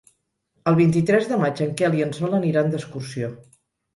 El vint-i-tres de maig en Quel i en Sol aniran d'excursió.